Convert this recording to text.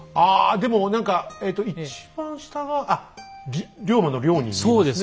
でも何かえと一番下があっ龍馬の「龍」に見えますね。